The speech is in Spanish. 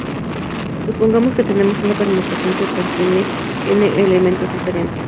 Supongamos que tenemos una permutación que contiene N elementos diferentes.